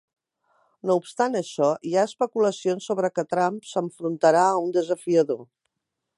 No obstant això, hi ha especulacions sobre que Trump s'enfrontarà a un desafiador.